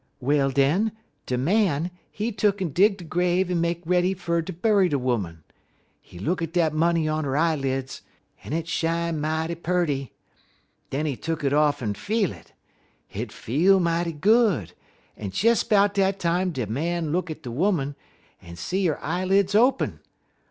"Well, den, de Man, he tuck'n dig de grave en make ready fer ter bury de 'Oman. He look at dat money on 'er eyeleds, en it shine mighty purty. Den he tuck it off en feel it. Hit feel mighty good, but des 'bout dat time de Man look at de 'Oman, en he see 'er eyeleds open.